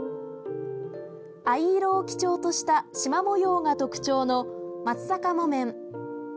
藍色を基調としたしま模様が特徴の松阪木綿。